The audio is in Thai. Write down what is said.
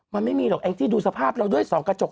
มันไม่มีหรอก